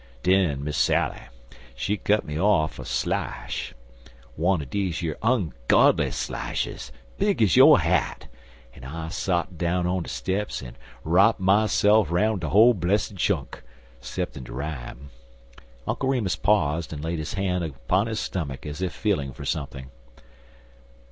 Den Miss Sally, she cut me off er slishe wunner deze yer ongodly slishes, big ez yo' hat, an' I sot down on de steps an' wrop myse'f roun' de whole blessid chunk, 'cep'in' de rime." Uncle Remus paused and laid his hand upon his stomach as if feeling for something.